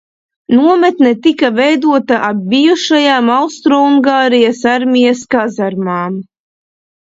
Nometne tika veidota ap bijušajām Austroungārijas armijas kazarmām.